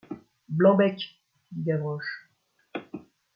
Blanc-bec ! dit Gavroche.